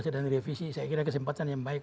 sedang direvisi saya kira kesempatan yang baik